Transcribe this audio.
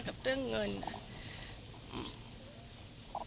ด้วยเรื่องเงินครับ